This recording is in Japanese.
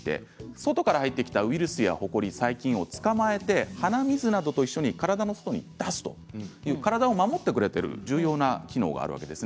外から入ってきたウイルスやほこり、細菌をつかまえて鼻水とともに体の外に出すという重要な機能があります。